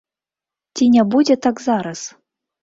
Ці не будзе так зараз?